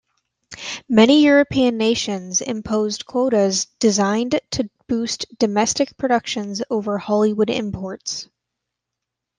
Many European nations imposed quotas designed to boost domestic productions over Hollywood imports.